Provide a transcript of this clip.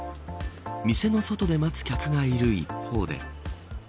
店の外で待つ客がいる一方で。